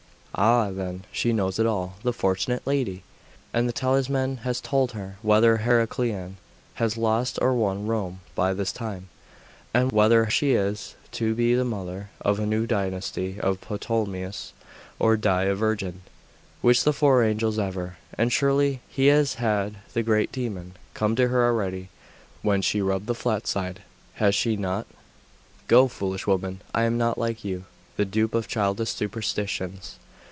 'Ah, then! she knows it all the fortunate lady! And the talisman has told her whether Heraclian has lost or won Rome by this time, and whether she is to be the mother of a new dynasty of Ptolemies, or to die a virgin, which the Four Angels avert! And surely she has had the great demon come to her already, when she rubbed the flat side, has she not?' 'Go, foolish woman! I am not like you, the dupe of childish superstitions.